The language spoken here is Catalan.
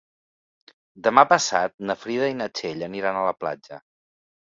Demà passat na Frida i na Txell aniran a la platja.